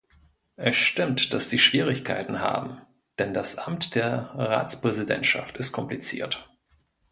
Es stimmt, dass Sie Schwierigkeiten haben, denn das Amt der Ratspräsidentschaft ist kompliziert.